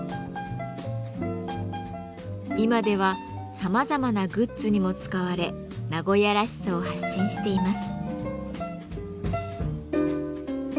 今ではさまざまなグッズにも使われ名古屋らしさを発信しています。